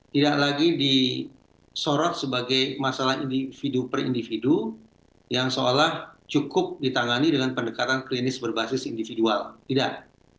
tidak lagi disorot sebagai masalah individu per individu yang seolah cukup ditangani dengan pendekatan klinis berbasis individual tidak